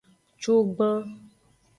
Cugban.